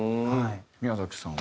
宮崎さんは。